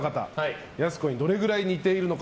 やす子にどれぐらい似ているのか。